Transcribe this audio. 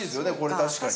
確かに。